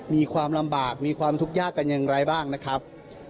มีความลำบากมีความทุกข์ยากกันอย่างไรบ้างนะครับ